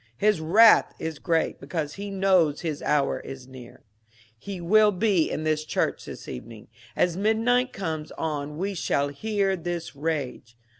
His wrath is great, because he knows his hour is near. He will be in this church this evening. As midnight comes on we shall hear his rage.